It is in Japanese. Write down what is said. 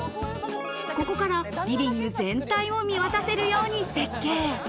ここからリビング全体を見渡せるように設計。